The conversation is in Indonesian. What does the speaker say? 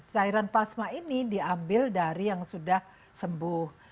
cairan plasma ini diambil dari yang sudah sembuh